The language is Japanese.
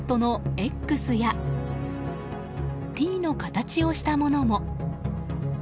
アルファベットのＸやＴの形をしたものも。